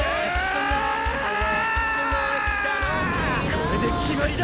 これで決まりだ！